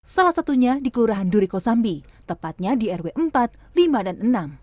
salah satunya di kelurahan duriko sambi tepatnya di rw empat lima dan enam